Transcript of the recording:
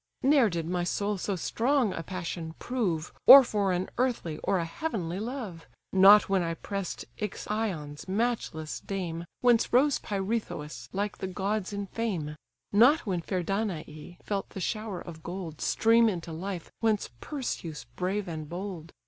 Ne'er did my soul so strong a passion prove, Or for an earthly, or a heavenly love: Not when I press'd Ixion's matchless dame, Whence rose Pirithous like the gods in fame: Not when fair Danae felt the shower of gold Stream into life, whence Perseus brave and bold.